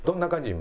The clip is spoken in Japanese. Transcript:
今。